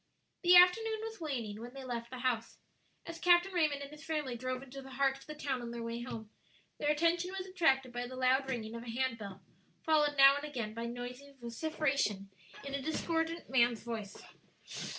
The afternoon was waning when they left the house. As Captain Raymond and his family drove into the heart of the town on their way home, their attention was attracted by the loud ringing of a hand bell, followed now and again by noisy vociferation, in a discordant, man's voice.